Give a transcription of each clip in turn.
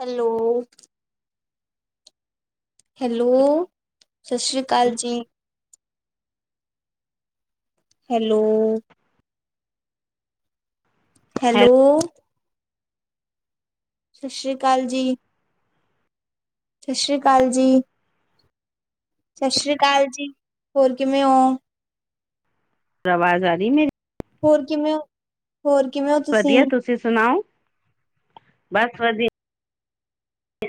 Hello. Hello, ਸਤਿ ਸ਼੍ਰੀ ਅਕਾਲ ਜੀ। ਹੈਲੋ। ਹੈਲੋ। ਸਤਿ ਸ਼੍ਰੀ ਅਕਾਲ ਜੀ। ਸਤਿ ਸ਼੍ਰੀ ਅਕਾਲ ਜੀ। ਸਤਿ ਸ੍ਰੀ ਅਕਾਲ ਜੀ, ਹੋਰ ਕਿਵੇਂ ਹੋ? ਆਵਾਜ਼ ਆ ਰਹੀ ਮੇਰੀ ਹੋਰ ਕਿਵੇਂ ਹੋ, ਹੋਰ ਕਿਵੇਂ ਹੋ ਵਧੀਆ ਤੁਸੀਂ। ਤੁਸੀਂ ਸੁਣਾਓ ਬਸ ਵਧੀਆ।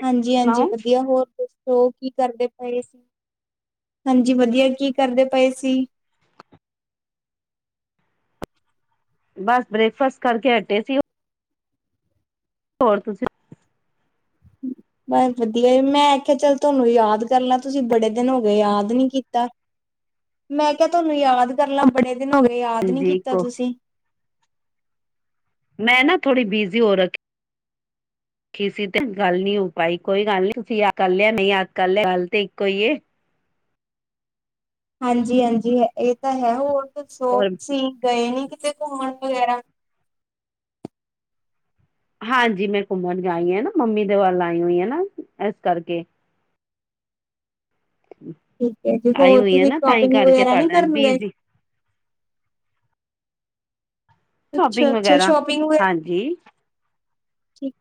ਹਾਂਜੀ- ਹਾਂਜੀ ਸੁਣਾਓ ਵਧੀਆ ਹੋਰ। ਹੋਰ ਕੀ ਕਰਦੇ ਪਏ ਸੀ, ਹਾਂਜੀ ਵਧੀਆ ਕੀ ਕਰਦੇ ਪਏ ਸੀ। ਬਸ ਬ੍ਰੇਕਫਾਸਟ ਕਰਕੇ ਹਟੇ ਸੀ। ਹੋਰ ਤੁਸੀਂ ਬਸ ਵਧੀਆ ਜੀ। ਮੈਂ ਆਖਿਆ ਚੱਲ ਤੁਹਾਨੂੰ ਯਾਦ ਕਰ ਲਾ ਤੁਸੀਂ ਬੜੇ ਦਿਨ ਹੋ ਗਏ ਯਾਦ ਨੀ ਕੀਤਾ। ਮੈਂ ਕਿਹਾ ਤੁਹਾਨੂੰ ਯਾਦ ਕਰ ਲਾ, ਬੜੇ ਦਿਨ ਹੋ ਗਏ ਯਾਦ ਨੀ ਹਾਂਜੀ ਕੀਤਾ ਕੋ ਤੁਸੀਂ। ਮੈਂ ਨਾ ਥੋੜ੍ਹੀ ਬਿਜ਼ੀ ਹੋ ਰੱਖੀ [inaudible] [inaudible] ਕਿਸੀ ਦਿਨ ਗੱਲ ਨੀ ਹੋ ਪਾਈ ਕੋਈ ਗੱਲ ਨੀ ਤੁਸੀਂ ਯਾਦ ਕਰ ਲਿਆ ਯਾਦ ਕਰ ਲਿਆ ਗੱਲ ਤੇ ਇਕੋ ਹਾਂਜੀ -ਹਾਂਜੀ ਇਹ ਤਾਂ ਹੈ ਹੋਰ ਦੱਸੋ ਔਰ ਤੁਸੀਂ ਗਏ ਨੀ ਕਿਤੇ ਘੁੰਮਣ ਵਗੈਰਾ। ਹਾਂਜੀ ਮੈਂ ਘੁੰਮਣ ਆਈ ਹਾਂ ਨਾ ਮੰਮੀ ਦੇ ਵੱਲ ਆਈ ਹੋਈ ਹੈ ਨਾ ਇਸ ਕਰਕੇ। ਠੀਕ ਹੈ ਜੀ ਆਈ ਹੋਰ ਹੋਈ ਆ ਤੁਸੀਂ ਨਾ ਤਾਂ ਸ਼ੋਪਿੰਗ ਕਰਕੇ ਵਗੈਰਾ ਨੀ ਤੁਹਾਡੇ ਨਾਲ ਕਰਨ ਗਏ? ਬਿਜੀ ਅੱਛਾ ਸ਼ੋਪਿੰਗ -ਅੱਛਾ ਵਗੈਰਾ ਸ਼ੋਪਿੰਗ ਵਗੈਰਾ ਹਾਂਜੀ ਠੀਕ।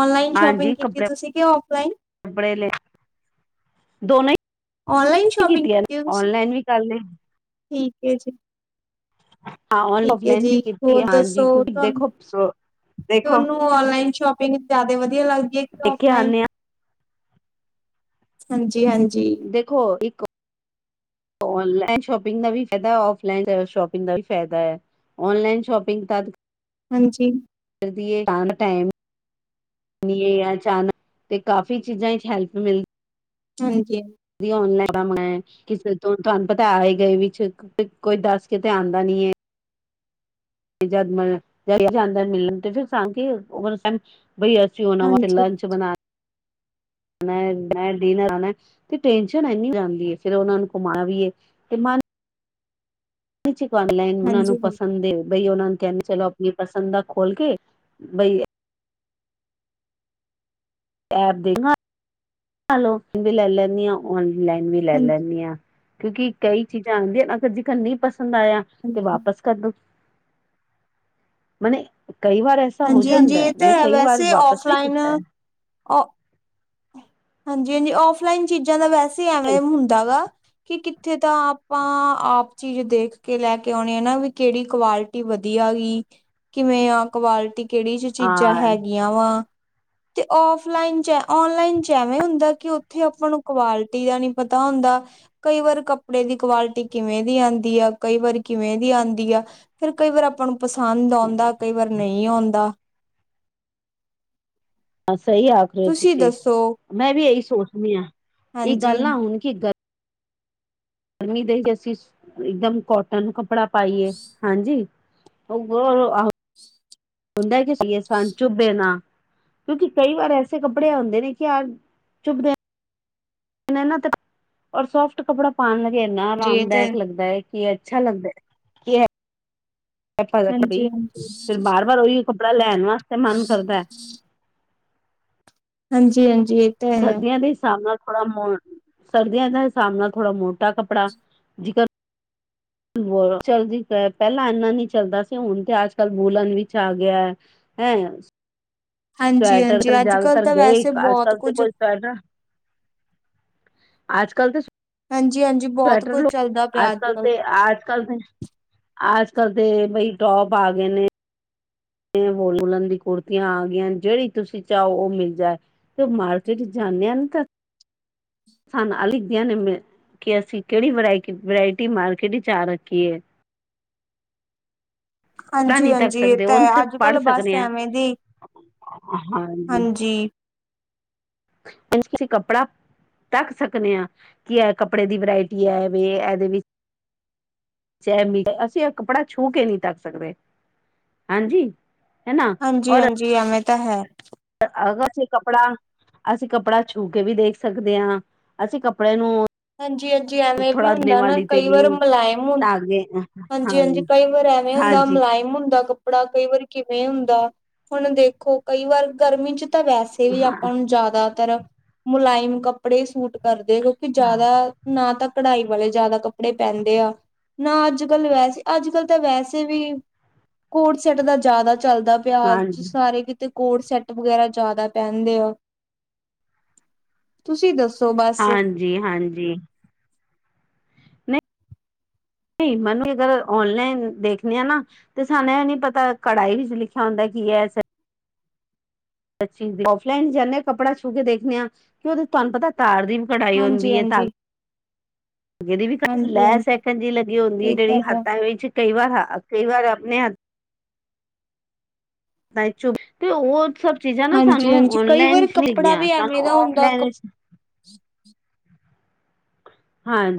ਔਨਲਾਈਨ ਹਾਂਜੀ ਸ਼ੋਪਿੰਗ ਕੀਤੀ ਕੱਪੜੇ ਤੁਸੀਂ ਕਿ ਔਫਲਾਈਨ? ਕੱਪੜੇ ਲਏ ਦੋਨੋ ਔਨਲਾਈਨ ਹੀ। ਸ਼ੋਪਿੰਗ ਕੀਤੀ ਹੈ ਤੁਸੀਂ ਔਨਲਾਈਨ ਵੀ ਕਰਲੀ। ਠੀਕ ਏ ਜੀ। ਹਾਂ ਔਨ ਠੀਕ ਹੈ ਔਫਲਾਈਨ ਵੀ ਜੀ ਕੀਤੀ ਹੈ ਹੋਰ ਦੱਸੋ ਹਾਂਜੀ ਕਿਉਂਕਿ ਦੇਖੋ ਤੁਹਾਨੂੰ ਦੇਖੋ ਤੁਹਾਨੂੰ ਔਨਲਾਈਨ ਸ਼ੋਪਿੰਗ ਜ਼ਿਆਦਾ ਵਧੀਆ ਲੱਗਦੀ ਹੈ ਕਿ ਦੇਖੇ ਔਫਲਾਈਨ? ਆਨੇ ਆ ਹਾਂਜੀ -ਹਾਂਜੀ। ਦੇਖੋ ਇੱਕ ਔਨਲਾਈਨ ਸ਼ੋਪਿੰਗ ਦਾ ਵੀ ਫਾਇਦਾ, ਔਫਲਾਈਨ ਸ਼ੋਪਿੰਗ ਦਾ ਵੀ ਫਾਇਦਾ ਹੈ। ਔਨਲਾਈਨ ਸ਼ੋਪਿੰਗ ਤ ਹਾਂਜੀ। ਕਰਦੀ ਏਣਾ ਟਾਈਮ। ਏ ਅਚਾਨਕ ਤੇ ਕਾਫੀ ਚੀਜ਼ਾਂ ਚ ਹੈਲਪ ਮਿਲਦੀ ਹਾਂਜੀ। ਔਨਲਾਈਨ ਕਿਸੇ ਤੋਂ ਤੁਹਾਨੂੰ ਪਤਾ ਆਏ ਗਏ ਵਿੱਚ ਕੋਈ ਦੱਸ ਕੇ ਤੇ ਆਉਂਦਾ ਨੀ ਹੈ ਜਦ ਮ ਜਾਂਦਾ ਮਿਲਣ ਤੇ ਫਿਰ ਸ ਕੇ ਬਈ ਤੁਸੀ ਉਹਨਾ ਵਾਸਤੇ ਲੰਚ ਬਣਾ [inaudible] ਮੈਂ ਆ ਡਿਨਰ ਆ ਨਾ ਤੇ ਟੈਨਸ਼ਨ ਇੰਨੀ ਜਾਂਦੀ ਹੈ ਫਿਰ ਉਹਨਾਂ ਨੂੰ ਘੁਮਾ ਵੀਏ ਤੇ ਮਨ ਲਾਨ ਉਹਨਾਂ ਨੂੰ ਹਾਂਜੀ-ਹਾਂਜੀ, ਪਸੰਦ [unintelligible] ਬਈ ਉਹਨਾ ਨੂੰ ਕਹਿੰਦੇ ਚਲੋ ਆਪਣੀ ਪਸੰਦ ਦਾ ਖੋਲ ਕੇ ਬਈ ਪਰ ਦੇਖਣਾ ਆਫ ਵੀ ਲੈ ਲੈਂਦੀ ਹਾਂ ਔਨਲਾਈਨ ਵੀ ਲੈ ਲੈਂਦੀ ਹਾਂ ਕਿਉਂਕਿ ਕਈ ਚੀਜ਼ਾਂ ਆਉਂਦੀਆਂ ਨਾ ਅਗਰ ਜੇਕਰ ਨਹੀਂ ਪਸੰਦ ਆਇਆ ਤੇ ਹਾਂਜੀ-ਹਾਂਜੀ, ਵਾਪਸ ਕਰਦੋ ਮਨ ਕਈ ਵਾਰ ਐਸ ਹਾਂਜੀ- ਹਾਂਜੀ ਇਹ ਤਾਂ ਹੈ ਵੈਸੇ ਔਫਲਾਈਨ ਕੀਤਾ ਹੈ ਹਾਂਜੀ -ਹਾਂਜੀ ਔਫਲਈਨ ਚੀਜ਼ਾਂ ਦਾ ਵੈਸੇ ਐਵੇ ਹੁੰਦਾ ਵਾ। ਕਿ ਕਿੱਥੇ ਤਾਂ ਆਪਾਂ ਆਪ ਚੀਜ਼ ਦੇਖ ਕੇ ਲੈ ਕੇ ਆਉਣੇ ਆ ਨਾ ਵੀ ਕਿਹੜੀ ਕੁਆਲਿਟੀ ਵੀ ਵਧੀਆ ਵੀ, ਕਿਵੇਂ ਆ। ਕੁਆਲਿਟੀ ਕਿਹੜੀ ਚ ਚੀਜ਼ਾਂ ਹਾਂ ਹੈਗੀਆਂ ਵਾ, ਤੇ ਔਫਲਾਈਨ ਚ ਔਨਲਾਈਨ ਐਵੇਂ ਹੁੰਦਾ ਕਿ ਉੱਥੇ ਆਪਾਂ ਨੂੰ ਕੁਆਲਿਟੀ ਦਾ ਨੀ ਪਤਾ ਹੁੰਦਾ ਕਈ ਵਾਰ ਕੱਪੜੇ ਦੀ ਕੁਆਲਿਟੀ ਕਿਵੇਂ ਦੀ ਆਉਂਦੀ ਆ, ਕਈ ਵਾਰ ਕਿਵੇਂ ਦੀ ਆਉਂਦੀ ਆ। ਫਿਰ ਕਈ ਵਾਰ ਆਪਾਂ ਨੂੰ ਪਸੰਦ ਆਉਂਦਾ ਕਈ ਵਾਰ ਨਹੀਂ ਆਉਂਦਾ। ਸਹੀ ਆਖ ਰਹੇ ਹੋ ਤੁਸੀਂ ਮੈਂ ਵੀ ਇਹੀ ਸੋਚਦੀ ਹਾਂ ਇਹ ਹਾਂਜੀ ਗੱਲ ਨਾ ਹੁਣ ਕੀ ਗੱਲ ਗਰਮੀ ਦੇ ਹੀ ਅਸੀਂ ਇਕਦਮ ਕੋਟਨ ਕੱਪੜਾ ਪਾਈਏ ਹਾਂਜੀ ਉਹ ਹੁੰਦਾ ਸਾਨ ਚੁਬੇ ਨਾ ਕਿਉਂਕਿ ਕਈ ਵਾਰ ਐਸੇ ਕੱਪੜੇ ਆਉਂਦੇ ਨੇ ਕਿ ਯ ਚੁੱਬਦੇ ਨਾ ਤੇ ਔਰ ਸੋਫਟ ਕੱਪੜਾ ਪਾਉਣ ਲਗੇ ਇੰਨਾ ਜੀ ਇਹ ਤੇ ਆਰਾਮਦਾਇਕ ਲੱਗਦਾ ਹੈ ਕਿ ਅੱਛਾ ਲੱਗਦਾ ਪਈ ਹਾਂਜੀ ਫਿਰ ਬਾਰ ਵਾਰ ਉਹੀ ਕੱਪੜਾ ਲੈਣ ਵਾਸਤੇ ਮਨ ਕਰਦਾ ਹਾਂਜੀ ਹਾਂਜੀ ਸਰਦੀਆਂ ਦੇ ਹਿਸਾਬ ਨਾਲ ਥੋੜਾ ਮੋ ਸਰਦੀਆਂ ਦੇ ਹਿਸਾਬ ਨਾਲ ਥੋੜ੍ਹਾ ਮੋਟਾ ਕੱਪੜਾ ਜਿਕਰ ਚਲਦੀ ਪਹਿਲਾਂ ਇੰਨਾ ਨਹੀਂੀ ਚੱਲਦਾ ਸੀ ਹੁਣ ਤੇ ਅੱਜ ਕੱਲ ਵੂਲਣ ਵਿੱ ਚਲ ਗਿਆ ਹੈਂ ਸੈਟਰ ਹਾਂਜੀ-ਹਾਂਜੀ ਵਟਰ ਅੱਜ-ਕੱਲ੍ਹ ਜ਼ਿਆਦਾਤਰ ਤਾਂ ਗਏ ਵੈਸੇ ਆਜ ਬਹੁਤ ਕਲ ਤੇ ਕੁੱਝ ਕੋਈ ਅੱਜ ਕਲ ਤਾਂ ਹਾਂਜੀ ਹਾਂਜੀ ਸਵੈਟਰ ਲੋ ਅਜ ਕੱਲ ਤੇ ਅਜ ਕੱਲ ਦੇ ਅੱਜ ਕੱਲ ਤੇ ਬਈ ਟੋਪ ਆ ਗਏ ਨੇ ਵਲ ਵੁਲਣ ਦੀ ਕੁੜਤੀਆਂ ਆ ਗਈਆਂ ਜਿਹੜੀ ਤੁਸੀਂ ਚਾਹੋ ਉਹ ਮਿਲ ਜਾਏ ਤੇ ਮਾਰਕਕੇਟ ਜਾਣ ਤਾਂ ਸਾਨ ਅਲਖ ਦੀਆਂ ਨੇ ਕਿ ਅਸੀਂ ਕਿਹੜੀ ਵਰਾ ਵਰਾਇਟੀ ਮਾਰਕੀਟ ਵਿਚ ਆ ਰੱਖੀਏ ਤਾਂ ਹਾਂਜੀ ਨਹੀਂ ਤੱਕ ਹਾਂਜੀ ਇਹ ਸਕਦੇ ਤਾਂ ਉਹਨੂੰ ਹੈ ਸਿਰਫ ਅੱਜ ਕੱਲ ਪੜ੍ਹ ਬਸ ਸਕਦੇ ਹਾਂ ਐਵੇਂ ਦੀ ਹਾਂਜੀ ਉਂਜ ਕਿਸੀ ਕੱਪੜਾ ਦਖ ਸਕਦੇ ਆ ਕਿ ਇਹ ਕੱਪੜੇ ਦੀ ਵਰਾਇਟੀ ਹੈ ਵ ਇਹਦੇ ਵਿੱਚ ਇਹ ਮੀਟਰ ਅਸੀਂ ਇਹ ਕੱਪੜਾ ਛੂਹ ਕੇ ਨਹੀਂੀ ਤਕ ਸਕਦੇ ਹਾਂਜੀ ਹੈ ਨਾ ਹਾਂਜੀ ਹਾਂਜੀ ਐਵੇਂ ਤਾਂ ਹੈ ਅਗਰ ਅਸੀਂ ਕੱਪੜਾ ਅਸੀਂ ਕੱਪੜਾ ਛੂ ਕੇ ਵੀ ਦੇਖ ਸਕਦੇ ਹਾਂ ਅਸੀਂ ਕੱਪੜੇ ਨੂੰ ਹਾਂਜੀ ਹਾਂਜੀ ਐਵੇਂ ਵੀ ਥੋੜਾ ਦੇਣੇ ਹੁੰਦਾ ਨਾ ਵਾਲੀ ਤੇ ਕਈ ਨੀ ਵਾਰ ਮੁਲਾਇਮ ਹੁੰ [unintelligible] ਹਾਂਜੀ ਹਾਂਜੀ ਕਈ ਵਾਰ ਐਵੇਂ ਹੁੰਦਾ ਹਾਂਜੀ ਮੁਲਾਇਮ ਹੁੰਦਾ ਕੱਪੜਾ ਕਈ ਵਾਰ ਕਿਵੇਂ ਹੁੰਦਾ ਹੁਣ ਦੇਖੋ ਕਈ ਵਾਰ ਗਰਮੀ ਚ ਤਾਂ ਵੈਸੇ ਵੀ ਹਾਂ ਆਪਾਂ ਨੂੰ ਜ਼ਿਆਦਾਤਰ ਮੁਲਾਇਮ ਕੱਪੜੇ ਸੂਟ ਕਰਦੇ ਜ਼ਿਆਦਾ ਨਾ ਤਾਂ ਕਢਾਈ ਵਾਲੇ ਜ਼ਿਆਦਾ ਕੱਪੜੇ ਪੈਂਦੇ ਆ ਨਾ ਅੱਜ ਕੱਲ ਵੈਸੇ ਅੱਜ ਕੱਲ ਤਾਂ ਵੈਸੇ ਵੀ ਕੋਡ ਸੈਟ ਦਾ ਜ਼ਿਆਦਾ ਚੱਲਦਾ ਪਿਆ ਹਾਂਜੀ ਸਾਰੇ ਕਿਤੇ ਕੋਡ ਸੈਟ ਵਗੈਰਾ ਜ਼ਿਆਦਾ ਪਹਿਨਦੇ ਆ ਤੁਸੀਂ ਦੱਸੋ ਬਸ ਜੀ ਹਾਂਜੀ ਨਹੀਂ ਨਹੀਂ ਮੈਨੂੰ ਅਗਰ ਔਨਲਾਈਨ ਦੇਖਣੇ ਆ ਨਾ ਤੇ ਸਾਨੂੰ ਇਹ ਨੀ ਪਤਾ ਕੜਹੀ ਵਿੱਚ ਲਿਖਿਆ ਹੁੰਦਾ ਕੀ ਹੈਇਹ ਬੀ ਔਫਲਾਈਨ ਜਾਂਦੇ ਕਪੜਾ ਛੂਹ ਦੇਖਦੇ ਹਾਂ ਕਿ ਉਹ ਤੁਹਾਨੂੰ ਪਤਾ ਤਾਰ ਦੀ ਕਢਾਈ ਹੁੰਦੀ ਹੈ ਤਾਂ ਹਾਂਜੀ-ਹਾਂਜੀ, ਜਿਹੜੀ ਵੀ ਲੈਸ ਇਥੇ ਹਾਂਜੀ-ਹਾਂਜੀ ਹੱਥਾਂ ਤੇ ਜੀ ਲੱਗੀ ਹੁੰਦੀ ਹੈ ਇਹ ਤਾਂ ਜਿਹੜੀ ਹੱਥਾਂ ਵਿੱਚ ਕਈ ਵਾਰ ਹ ਕਈ ਵਾਰ ਆਪਣੇ ਹਥ ਤੇ ਉਹ ਸਭ ਚੀਜ਼ਾਂ ਨਾ ਸਾਨੂੰ ਹਾਂਜੀ-ਹਾਂਜੀ ਕਈ ਔਨਲਾਈਨ ਵਾਰ ਦਿਖਦੀ ਕੱਪੜਾ ਆ ਵੀ ਐਵੇਂ ਸਾਨੂੰ ਦਾ ਹੁੰਦਾ ਕੱ ਆਫਲਾਈਨ ਚ ਨਹੀਂ ਦਿਖਦੀਆਂ।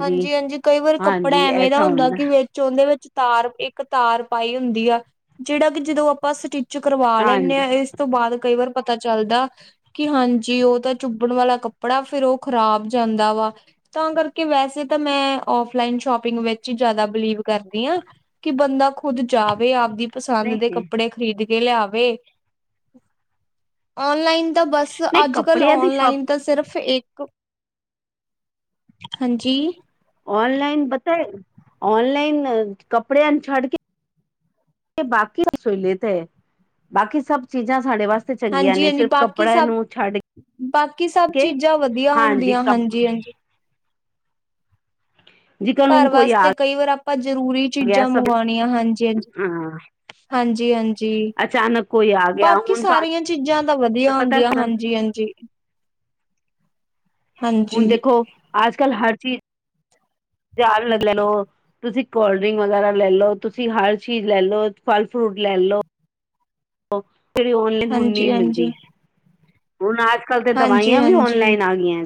ਹਾਂਜੀ ਹਾਂਜੀ ਕਈ ਵਾਰ ਕੱਪੜਾ ਹਾਂਜੀ ਐਵੇਂ ਦਾ ਐਸਾ ਹੁੰਦਾ ਕਿ ਓਹਦੇ ਵਿੱਚ ਤਾਰ ਇੱਕ ਤਾਰ ਪਾਈ ਹੁੰਦੀ ਆ ਜਿਹੜਾ ਕਿ ਜਦੋਂ ਆਪਾਂ ਸ ਚ ਕਰਵਾ ਲੈਂਦੇ ਹਾਂਜੀ ਆਾਂ ਇਸ ਤੋਂ ਬਾਅਦ ਕਈ ਵਾਰ ਪਤਾ ਚੱਲਦਾ ਕਿ ਹਾਂਜੀ ਉਹ ਤਾਂ ਚੁੱਬਣ ਵਾਲਾ ਕੱਪੜਾ ਫੇਿਰ ਉਹ ਖ਼ਰਾਬ ਜਾਂਦਾ ਵਾ ਤਾਂ ਕਰਕੇ ਕਿ ਵੈਸੇ ਤਾਂ ਮੈਂ ਫਲਾਈਨ ਸ਼ੋਪਿੰਗ ਵਿੱਚ ਹੀ ਜ਼ਿਆਦਾ ਬਿਲੀਵ ਕਰਦੀ ਹਾਂ ਕਿ ਬੰਦਾ ਖੁੱਦ ਜਾਵੇ ਆਪਦੀ ਪਸੰਦ ਨਹੀਂ ਦੇ ਨਹੀਂ ਕੱਪੜੇ ਖ਼ਰੀਦ ਕੇ ਲਿਆਵੇ ਔਨਲਾਈਨ ਤਾਂ ਬਸ ਨਹੀਂ ਅੱਜ ਕੱਲ ਕੱਪੜਿਆਂ ਦੀ ਸ਼ੋਪ ਔਨਲਾਈਨ ਤਾਂ ਸਿਰਫ ਇੱਕ ਹਾਂਜੀ ਔਨਲਾਈਨ ਬਤਾਏ ਔਨਲਾਈਨ ਕੱਪੜੇ ਅ ਛੜ ਕੇ ਬਾਕੀ ਸੂਲੀਅਤ ਹੈ ਬਾਕੀ ਸਬ ਚੀਜ਼ਾਂ ਸਾਡੇ ਵਾਸਤੇ ਚੰਗੀਆਂ ਹਾਂਜੀ ਨੇ ਹਾਂਜੀ ਸਿਰਫ ਬਾਕੀ ਕੱਪੜਿਆਂ ਸਭ ਨੂੰ ਛੱਡ ਬਾਕੀ ਸਭ ਕੇ ਚੀਜ਼ਾਂ ਵਧੀਆ ਹੁੰਦੀਆਂ ਹਾਂਜੀ ਹਾਂਜੀ ਜਿਕਨ ਘਰ ਹੁਣ ਕੋਈ ਵਾਸਤੇ ਆ ਕਈ ਵਾਰ ਆਪਾਂ ਜਰੂਰੀ ਗਿਆ ਚੀਜ਼ਾਂ ਸਭ ਮੰਗਉਣੀਆਂ ਹਾਂਜੀ ਹਜੀ ਹਾਂ ਹਾਂਜੀ ਹਾਂਜੀ ਅਚਾਨਕ ਕੋਈ ਆ ਗਿਆ ਬਾਕੀ ਹੁਣ ਤੁਹਾਨੂੰ ਸਾਰੀਆਂ ਚੀਜ਼ਾਂ ਤਾਂ ਵਧੀਆ ਪਤਾ ਹੁੰਦੀਆਂ ਹੁਣ ਹਾਂਜੀ ਹਾਂਜੀ ਹੁਣ ਹਾਂਜੀ। ਦੇਖੋ ਅੱਜ ਕੱਲ੍ਹ ਹਰ ਚੀਜ਼ ਚਾਰ ਲੈ ਲਓ ਤੁਸੀਂ ਕੋਲਡ ਡਰਿੰਕ ਵਗੈਰਾ ਲੈ ਲੋ ਤੁਸੀਂ ਹਰ ਚੀਜ਼ ਲੈ ਲੋ ਫਲ ਫਰੂਟ ਲੈ ਲੋ ਓਕੇ ਜਿਹੜੀ ਔਨਲਾਈਨ ਹੁਣ ਨਹੀਂ ਮਿਲਦੀ ਹਾਂਜੀ-ਹਾਂਜੀ, ਹੁਣ ਅੱਜ ਕੱਲ ਤੇ ਦਵਾਈਆਂ ਵੀ ਹਾਂਜੀ-ਹਾਂਜੀ। ਔਨਲਾਈਨ ਆ ਗਈਆਂ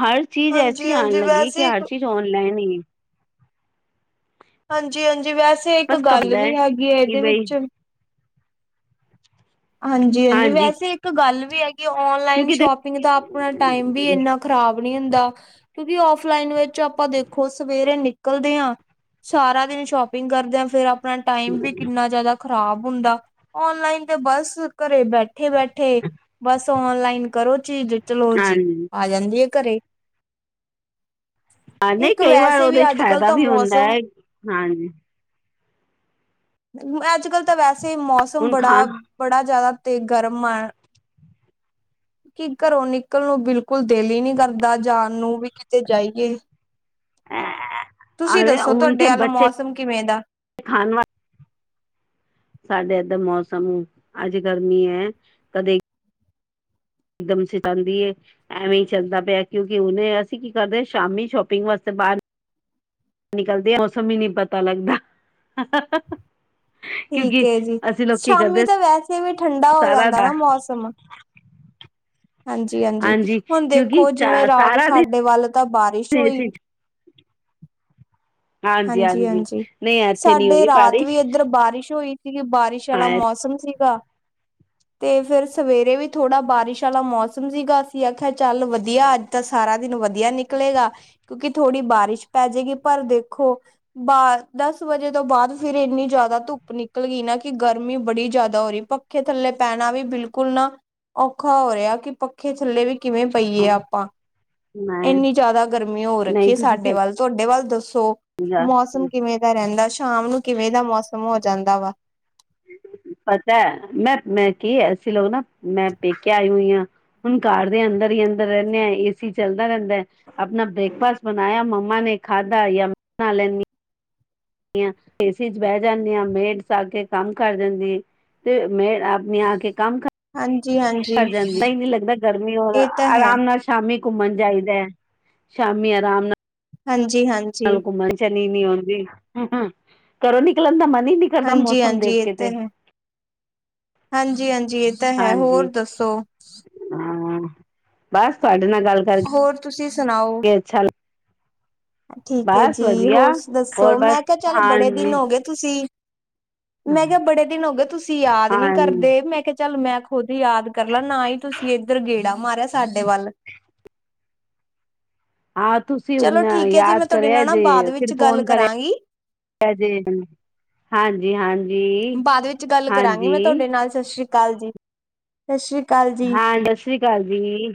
ਹਰ ਚੀਜ਼ ਐਸੀ ਆਉਣ ਹਾਂਜੀ-ਹਾਂਜੀ ਲੱਗੀ ਕਿ ਵੈਸੇ ਇੱਕ ਹਰ ਚੀਜ਼ ਔਨਲਾਈਨ ਹੀ ਹਾਂਜੀ ਹਾਂਜੀ ਵੈਸੇ ਇੱਕ ਬਸ ਗੱਲ ਕਪਦਾ ਵੀ ਹੈਗੀ ਹੈ ਕਿ ਇਹਦੇ ਬਈ ਵਿੱਚ ਹਾਂਜੀ ਹਾਂਜੀ ਵੈਸੇ ਇੱਕ ਗੱਲ ਵੀ ਹੈਗੀ ਔਨਲਾਈਨ ਕਿਉਂਕਿ ਸ਼ੋਪਿੰਗ ਦਾ ਆਪਣਾ ਟਾਈਮ ਵੀ ਇੰਨਾ ਖ਼ਰਾਬ ਨੀ ਹੁੰਦਾ ਕਿਉਂਕਿ ਓਫਲਾਈਨ ਵਿੱਚ ਆਪਾਂ ਦੇਖੋ ਸਵੇਰੇ ਨਿਕਲਦੇ ਹਾਂ ਸਾਰਾ ਦਿਨ ਸ਼ੋਪਿੰਗ ਕਰਦੇਿਆਂ ਫੇਿਰ ਆਪ ਆਪਣਾ ਟਾਈਮ ਵੀ ਕਿੰਨਾ ਜਿਆਦਾ ਖ਼ਰਾਬ ਹੁੰਦਾ ਔਨਲਾਈਨ ਤੇ ਬਸ ਘਰੇ ਬੈਠੇ ਬੈਠੇ ਉਠੇ ਬਸ ਓਨਲਾਈਨ ਕਰੋ ਚੀਜ਼ ਚਲੋ ਜੀ ਹਾਂਜੀ ਆ ਜਾਂਦੀ ਹੈ ਘਰੇ ਹਾਂ ਨਹੀਂ ਇੱਕ ਕਈ ਵਾਰ ਵੈਸੇ ਵੀ ਉਹਦੇ ਚ ਅੱਜ ਕੱਲ੍ਹ ਫਾਇਦਾ ਤਾਂ ਵੀ ਹੁੰਦਾ ਮੌਸਮ ਹੈ ਹਾਂਜੀ ਅੱਜ ਕੱਲ੍ਹ ਤਾਂ ਵੈਸੇ ਮੌਸਮ ਹੁਣ ਖਾ ਬੜਾ ਬੜਾ ਜਿਆਦਾ ਤੇ ਗਰਮ ਆ ਕੀ ਘਰੋਂ ਨਿਕਲ ਨੂੰ ਬਿਲਕੁਲ ਦਿਲ ਹੀ ਨਹੀਂ ਕਰਦਾ ਜਾਣ ਨੂੰ ਵੀ ਕਿਤੇ ਜਾਈਏ ਤੁਸੀਂ ਅਰੇ ਦੱਸੋ ਹੁਣ ਤੁਹਾਡੇ ਤੇ ਵੱਲ ਬੱਚੇ ਮੌਸਮ ਕਿਵੇਂ ਦਾ ਖਾਣ ਵਾਲੇ ਸਾਡੇ ਇਧਰ ਮੌਸਮ ਅੱਜ ਗਰਮੀ ਹੈ ਕਦੇ ਇਕਦਮ ਸਤਾਂਦੀ ਇਹ। ਐਵੇਂ ਹੀ ਚੱਲਦਾ ਪਿਆ ਕਿਉਂਕਿ ਉਹਨੇ ਅਸੀਂ ਕੀ ਕਰਦੇ ਹਾਂ ਸ਼ਾਮੀ ਸ਼ੋਪਿੰਗ ਵਾਸਤੇ ਬਾਹਰ। ਨਿਕਲਦੇ ਮੌਸਮ ਹੀ ਨਹੀਂ ਪਤਾ ਲੱਗਦਾ। ਠੀਕ ਕਿਉਂਕਿ ਜੀ ਅਸੀਂ ਲੋਕ ਕੀ ਸ਼ਾਮੀ ਕਰਦੇ ਤਾਂ ਵੈਸੇ ਵੀ ਠੰਡਾ ਹੋ ਸਾਰਾ ਜਾਂਦਾ ਦਾ ਨਾ ਮੌਸਮ ਹਾਂਜੀ-ਹਾਂਜੀ ਹਾਂਜੀ ਹੁਣ ਕਿਉਂਕਿ ਦੇਖੋ ਜਿਵੇਂ ਰਾਤ ਸਾਰਾ ਦਿਨ ਸਾਡੇ ਵੱਲ ਤਾਂ ਬਾਰਿਸ਼ ਹੋਈ ਹਾਂਜੀ ਹਾਂਜੀ ਹਾਂਜੀ-ਹਾਂਜੀ ਨਹੀਂ ਇੱਥੇ ਨੀ ਸਾਡੇ ਹੋਈ ਰਾਤ ਬਾਰਿਸ਼ ਵੀ ਇੱਧਰ ਬਾਰਿਸ਼ ਹੋਈ ਕਿ ਬਾਰਿਸ਼ ਵਾਲਾ ਹਾਂ ਮੌਸਮ ਸੀਗਾ। ਅਤੇ ਫਿਰ ਸਵੇਰੇ ਵੀ ਥੋੜ੍ਹਾ ਬਾਰਿਸ਼ ਵਾਲਾ ਮੌਸਮ ਸੀਗਾ ਅਸੀਂ ਆਖਿਆ ਚੱਲ ਵਧੀਆ ਅੱਜ ਤਾਂ ਸਾਰਾ ਦਿਨ ਵਧੀਆ ਨਿਕਲੇਗਾ ਕਿਉਂਕਿ ਥੋੜ੍ਹੀ ਬਾਰਿਸ਼ ਪੈ ਜਾਏਗੀ ਪਰ ਦੇਖੋ ਬਾ ਦਸ ਵਜੇ ਤੋਂ ਬਾਅਦ ਫਿਰ ਇੰਨੀ ਜ਼ਿਆਦਾ ਧੁੱਪ ਨਿਕਲ ਗਈ ਨਾ ਕਿ ਗਰਮੀ ਬੜੀ ਜਿਆਦਾ ਹੋ ਰਹੀ ਪਰ ਪੱਖੇ ਥੱਲੇ ਪੈਣਾ ਵੀ ਬਿਲਕੁਲ ਨਾ ਔਖਾ ਹੋ ਰਿਹਾ ਕਿ ਪੱਖੇ ਥੱਲੇ ਵੀ ਕਿਵੇਂ ਪਈਏ ਆਪਾਂ ਮੈਂ ਇਨੀ ਜ਼ਿਆਦਾ ਗਰਮੀ ਹੋ ਰੱਖੀਏ ਨਹੀਂ ਤੁਸੀਂ ਸਾਡੇ ਸਹੀ ਵੱਲ। ਤੁਹਾਡੇ ਵੱਲ ਦੱਸੋ, ਗੱਲ ਮੌਸਮ ਕਿਵੇਂ ਦਾ ਰਹਿੰਦਾ, ਸ਼ਾਮ ਨੂੰ ਕਿਵੇਂ ਦਾ ਮੌਸਮ ਹੋ ਜਾਂਦਾ ਵਾ? ਪਤਾ ਹੈ ਮੈਂ-ਮੈਂ ਕੀ ਐਸੀ ਲੋ ਨਾ ਮੈਂ ਪੇਕੇ ਆਈ ਹਾਂ। ਹੁਣ ਕਾਰ ਦੇ ਅੰਦਰ ਹੀ ਅੰਦਰ ਰਹਿੰਦੇ ਆ ਏਸੀ ਚੱਲਦਾ ਰਹਿੰਦਾ। ਆਪਣਾ ਬ੍ਰੇਕਫਾਸਟ ਬਣਾਇਆ ਮੰਮਾ ਨੇ ਖਾਧਾ ਜਾਂ ਮੈਂ ਆਪ ਬਣਾ ਲੈਂਦੀ ਹ। ਏਸੀ ਚ ਬਹਿ ਜਾਂਦੀਆਂ ਮੇਡ ਆਕੇ ਕ ਕੰਮ ਕਰ ਜਾਂਦੀ ਤੇ ਮੇ ਓਨੇ ਆ ਕੇ ਕੰਮ ਹਾਂਜੀ ਹਾਂਜੀ ਨਹੀਂ ਨਹੀਂ ਲਗਦਾ ਗਰਮੀ ਇਹ ਤਾਂ ਹੈ ਆਰਾਮ ਨਾਲ ਸ਼ਾਮੀ ਘੁੰਮਣ ਜਾਈਦਾ ਸ਼ਾਮੀ ਆਰਾਮ ਨਾਲ ਹਾਂਜੀ ਹਾਂਜੀ ਨਾਲੇ ਘੁੰਮਣ ਚਲੇ ਗਈ ਨਾਲੇ ਘਰੋ ਨਿਕਲਣ ਦਾ ਮਨ ਹੀ ਨਹੀਂ ਕਰਦਾ। ਹਾਂਜੀ ਮੌਸਮ ਹਾਂਜੀ ਦੇਖ ਇਹ ਕੇ ਤਾਂ ਤੇ ਹੈ ਹਾਂਜੀ ਹਾਂਜੀ ਇਹ ਤਾਂ ਹੈ ਹੋਰ ਹਾਂਜੀ ਦੱਸੋ ਹਾਂ ਬਸ ਤੁਹਾਡੇ ਨਾਲ ਗੱਲ ਹੋਰ ਤੁਸੀਂ ਸੁਣਾਓ ਚੱਲ ਠੀਕ ਹੈ ਜੀ, ਵਧੀਆ ਹੋਰ ਹੋਰ ਦੱਸੋ ਮੈਂ ਬਸ ਕਿਹਾ ਚਲ ਬੜੇ ਦਿਨ ਹਾਂਜੀ ਹੋ ਗਏ। ਤੁਸੀਂ ਮੈਂ ਕਿਹਾ ਬੜੇ ਦਿਨ ਹੋ ਗਏ ਤੁਸੀਂ ਯਾਦ ਨਹੀਂ ਹਾਂਜੀ ਕਰਦੇ ਮੈਂ ਕਿਹਾ। ਚੱਲ ਮੈਂ ਖੁਦ ਯਾਦ ਕਰ ਲਾਂ ਨਾ ਹੀ ਤੁਸੀਂ ਇੱਧਰ ਗੇੜਾ ਮਾਰਿਆ ਸਾਡੇ ਵੱਲ। ਹਾਂ ਤੁਸੀਂ ਚਲੋ ਹੁਣ ਠੀਕ ਹੈ ਜੀ ਮੈਂ ਯਾਦ ਤੁਹਾਡੇ ਕਰਿਆ ਨਾਲ ਨਾ ਬਾਅਦ ਜੇ ਫਿਰ ਵਿੱਚ ਗੱਲ ਫੋਨ ਕਰਾਂਗੀ ਕਰਿਆ ਜੇ। ਹਾਂਜੀ-ਹਾਂਜੀ। ਬਾਅਦ ਵਿੱਚ ਗੱਲ ਕਰਾਂਗੀ ਮੈਂ ਤੁਹਾਡੇ ਨਾਲ ਸਤਿ ਸ਼੍ਰੀ ਅਕਾਲ ਜੀ, ਸਤਿ ਸ਼੍ਰੀ ਅਕਾਲ ਜੀ। ਹਾਂ, ਸਤਿ ਸ੍ਰੀ ਅਕਾਲ ਜੀ।